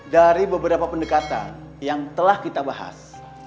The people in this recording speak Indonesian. dari beberapa pendekatan yang telah kita bahas